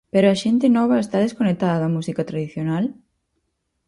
Pero, a xente nova está desconectada da música tradicional?